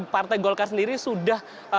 partai golkar sendiri sudah